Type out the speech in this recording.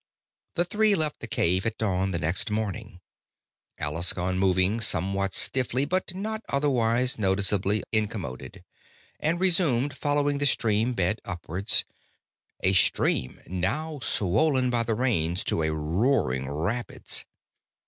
The three left the cave at dawn the next morning, Alaskon moving somewhat stiffly but not otherwise noticeably incommoded, and resumed following the stream bed upwards a stream now swollen by the rains to a roaring rapids.